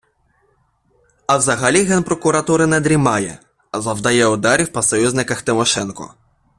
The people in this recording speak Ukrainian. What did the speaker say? А взагалі Генпрокуратура не дрімає, а завдає ударів по союзниках Тимошенко.